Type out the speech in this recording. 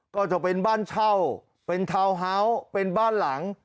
ก็จะเป็นบ้านเช่าเป็นทาวน์ฮาส์เป็นบ้านหลัง